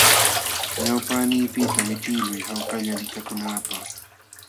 Ñawpaqniiypiqta witiqluy hawkalla likakunaapaq.